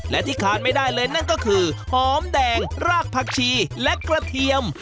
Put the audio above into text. และที่ขาดไม่ได้เลยนั่นก็คือหอมแดงรากผักชีและกระเทียม